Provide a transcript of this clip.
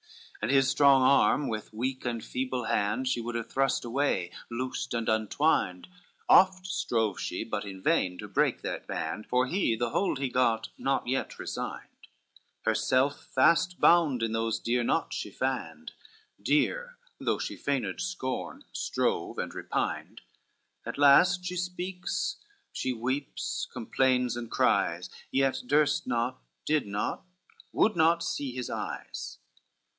CXXX And his strong arm, with weak and feeble hand She would have thrust away, loosed and untwined: Oft strove she, but in vain, to break that band, For he the hold he got not yet resigned, Herself fast bound in those dear knots she fand, Dear, though she feigned scorn, strove and repined: At last she speaks, she weeps, complains and cries; Yet durst not, did not, would not see his eyes.